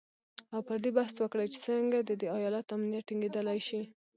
او پر دې بحث وکړي چې څرنګه د دې ایالت امنیت ټینګیدلی شي